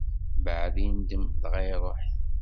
Mbeɛd indem, dɣa iṛuḥ.